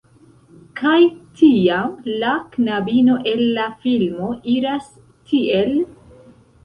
Kaj tiam, la knabino el la filmo iras tiel: